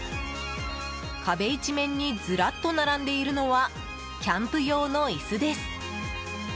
壁一面にずらっと並んでいるのはキャンプ用の椅子です。